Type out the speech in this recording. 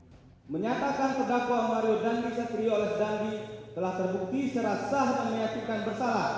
menyatakan kedakwa mario dendi saat diri oleh dendi telah terbukti secara sahat ini katikan bersalah